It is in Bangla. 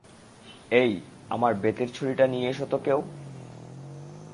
এই, আমার বেতের ছড়িটা নিয়ে এসো তো কেউ?